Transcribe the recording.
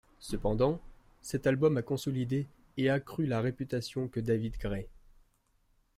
Cependant, cet album à consolidé et accru la réputation que David Gray.